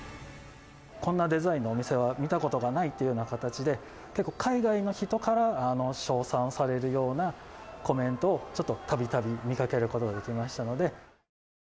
こんなデザインのお店は見たことがないっていうような形で、結構海外の人から称賛されるようなコメントを、ちょっとたびたび見かけることができましたので。